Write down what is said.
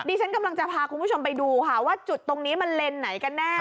ฉันกำลังจะพาคุณผู้ชมไปดูค่ะว่าจุดตรงนี้มันเลนส์ไหนกันแน่